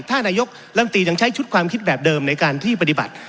ถ้านายกรัมตียังใช้ชุดความคิดแบบเดิมในการที่ปฏิบัติ